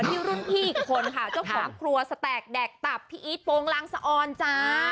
รุ่นพี่อีกคนค่ะเจ้าของครัวสแตกแดกตับพี่อีทโปรงลังสะออนจ้า